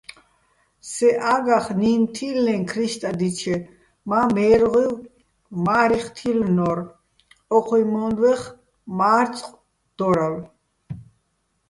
სე ა́გახ ნინო̆ თილლეჼ ქრისტადჲიჩე, მა́ მაჲრღუჲვ "მა́რიხო̆" თილლნო́რ, ო́ჴუჲ მო́ნდვეხ "მა́რწყო̆" დო́რალო̆.